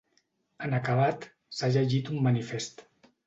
En acabat, s’ha llegit un manifest.